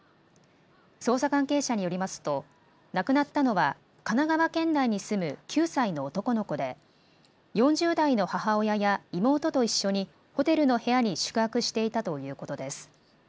捜査関係者によりますと亡くなったのは神奈川県内に住む９歳の男の子で４０代の母親や妹と一緒にホテルの部屋に宿泊していたということです。